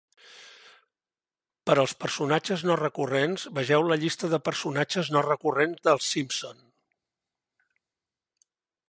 Per als personatges no recurrents, vegeu la "Llista de personatges no recurrents de Els Simpson.